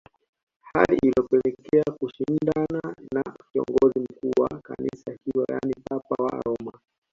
Hali iliyopelekea kushindana na kiongozi mkuu wa kanisa hilo yani papa wa Roma